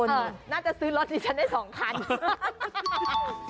น่าจะซื้อรถที่ฉันได้๒คัน